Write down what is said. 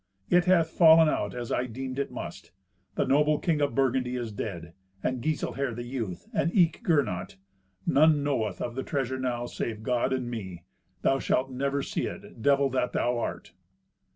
It hath fallen out as I deemed it must. The noble King of Burgundy is dead, and Giselher the youth, and eke Gernot. None knoweth of the treasure now save God and me. Thou shalt never see it, devil that thou art."